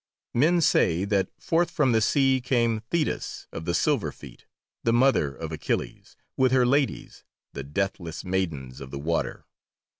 Men say that forth from the sea came Thetis of the silver feet, the mother of Achilles, with her ladies, the deathless maidens of the waters.